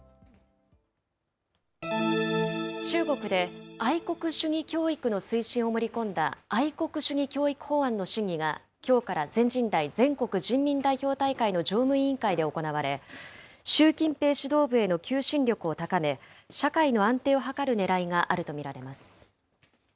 中国で愛国主義教育の推進を盛り込んだ、愛国主義教育法案の審議が、きょうから全人代・全国人民代表大会の常務委員会で行われ、習近平指導部への求心力を高め、社会の安定を図るねらいがあると見られます。